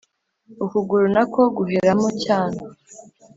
ukuguru nako guheram cyanoo.